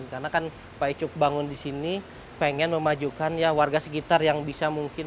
karena kan pak ezo bangun di sini pengen memajukan warga sekitar yang bisa mungkin